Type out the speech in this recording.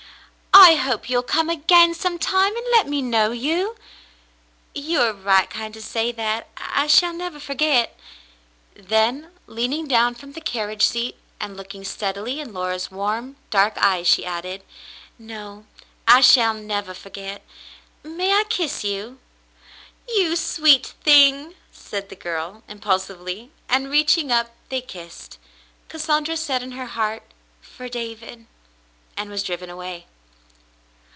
"I hope you'll come again sometime, and let me know you." "You are right kind to say that. I shall nevah forget." Then, leaning down from the carriage seat, and looking steadily in Laura's warm, dark eyes, she added: "No, I shall nevah forget. May I kiss you?" "You sweet thing!" said the girl, impulsively, and, reaching up, they kissed. Cassandra said in her heart, "For David," and was driven away.